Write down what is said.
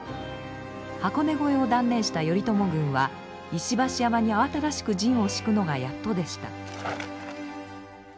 箱根越えを断念した頼朝軍は石橋山に慌ただしく陣をしくのがやっとでした。